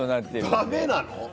だめなの？